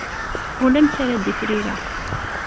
Ulamek ara d-ifrireɣ.